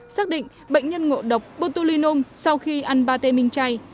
xác định bệnh nhân ngộ độc botulinum sau khi ăn ba tê minh chay